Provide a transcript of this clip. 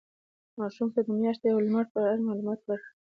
ماشومانو ته د میاشتې او لمر په اړه معلومات ورکړئ.